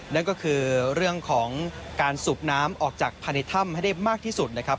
นั่นก็คือเรื่องของการสูบน้ำออกจากภายในถ้ำให้ได้มากที่สุดนะครับ